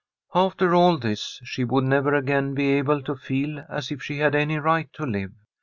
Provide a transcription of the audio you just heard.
After all this she would never again be able to feel as if she had any right to live.